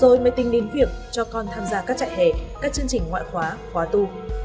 rồi mới tính đến việc cho con tham gia các trại hẻ các chương trình ngoại khóa khóa tu